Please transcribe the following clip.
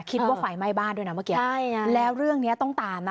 คิดว่าไฟไหม้บ้านด้วยนะเมื่อกี้แล้วเรื่องนี้ต้องตามนะ